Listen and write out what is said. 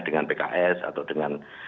dengan pks atau dengan